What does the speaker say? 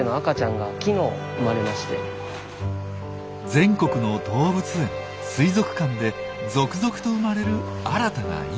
全国の動物園・水族館で続々と生まれる新たな命。